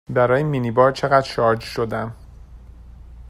برای مینی بار چقدر شارژ شدم؟